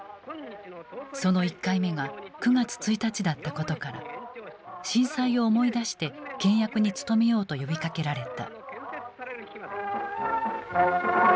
その１回目が９月１日だったことから震災を思い出して倹約に努めようと呼びかけられた。